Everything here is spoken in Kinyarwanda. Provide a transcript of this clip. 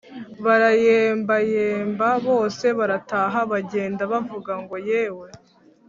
barayembayemba bose barataha bagenda bavuga ngo yewe;